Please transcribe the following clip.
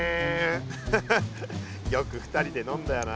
フフよく２人で飲んだよな。